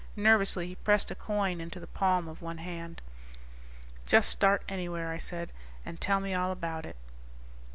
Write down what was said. Nervously he pressed a coin into the palm of one hand. "Just start anywhere," I said, "and tell me all about it."